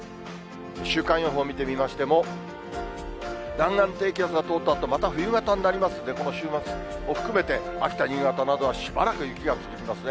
週間予報を見てみましても、南岸低気圧が通ったあと、また冬型になりますんで、この週末を含めて、秋田、新潟などは、しばらく雪が続きますね。